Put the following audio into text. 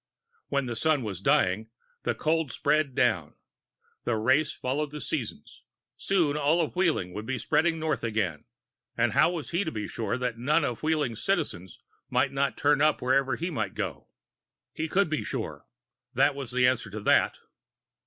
When the Sun was dying, the cold spread down. The race followed the seasons. Soon all of Wheeling would be spreading north again, and how was he to be sure that none of Wheeling's Citizens might not turn up wherever he might go? He could be sure that was the answer to that.